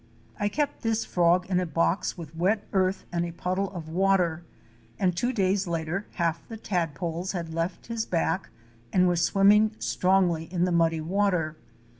I kept this frog in a box with wet earth and a puddle of water, and two days later half the tadpoles had left his back and were swimming strongly in the muddy water.